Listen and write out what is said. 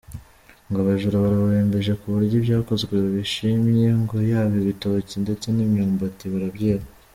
Ngo abajura barabarembeje kuburyo ibyakozwe babishimye ngo yaba ibitoki ndetse n’imyumbati barabyiba.